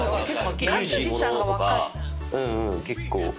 結構。